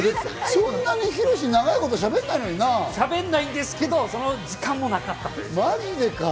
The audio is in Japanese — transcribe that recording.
そんなに博、長いことしゃべしゃべらないんですけど、その時間もなかったという。